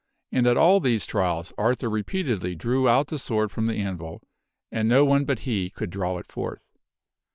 And at all these trials Arthur repeatedly drew out the sword from the anvil, and no one but he could draw it forth.